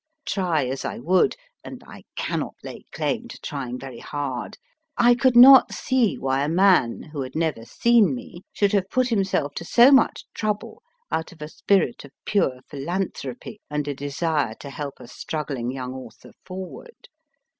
Try as I would and I cannot lay claim to trying very hard I could not see why a man, who had never seen me, should have put himself to so much trouble out of a spirit of pure philanthropy, and a desire to help a struggling young author forward.